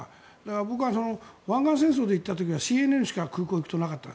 僕は湾岸戦争で行った時はＣＮＮでしか空港に行くとなかった。